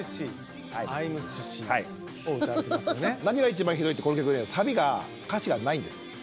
何が一番ひどいってこの曲ねサビが歌詞がないんです。